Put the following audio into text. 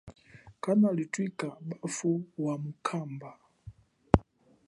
Kanali thwika bafu ya mikamba.